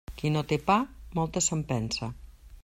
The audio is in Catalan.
Qui no té pa, moltes se'n pensa.